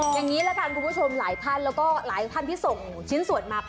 อย่างนี้แล้วกันคุณผู้ชมหลายท่านที่ส่งชิ้นส่วนมา